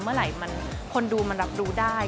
เมื่อไหร่คนดูมันรับรู้ได้